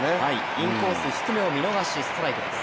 インコース低めを見逃しストライクです。